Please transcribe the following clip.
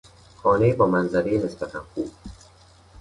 خانهای با منظرهی نسبتا خوب